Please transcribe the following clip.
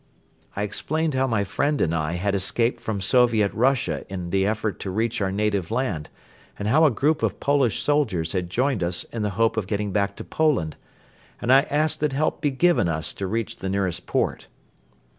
I explained how my friend and I had escaped from Soviet Russia in the effort to reach our native land and how a group of Polish soldiers had joined us in the hope of getting back to Poland; and I asked that help be given us to reach the nearest port.